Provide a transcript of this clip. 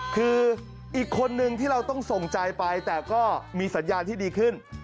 คืออีกคนนึงที่เราต้องส่งใจไปแต่ก็มีสัญญาณที่ดีขึ้น